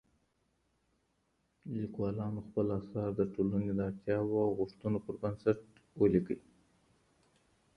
ليکوالانو خپل اثار د ټولني د اړتياوو او غوښتنو پر بنسټ وليکئ.